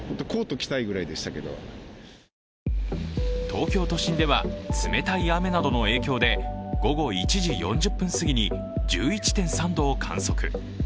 東京都心では冷たい雨などの影響で午後１時４０分すぎに１１．３度を観測。